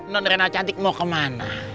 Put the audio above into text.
nondrena cantik mau kemana